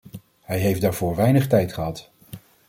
Hij heeft daarvoor weinig tijd gehad.